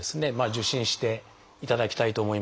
受診していただきたいと思います。